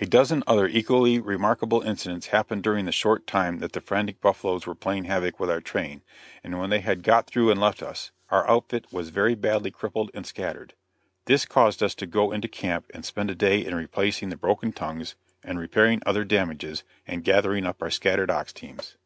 A dozen other equally remarkable incidents happened during the short time that the frantic buffaloes were playing havoc with our train, and when they had got through and left us, our outfit was very badly crippled and scattered. This caused us to go into camp and spend a day in replacing the broken tongues, and repairing other damages, and gathering up our scattered ox teams.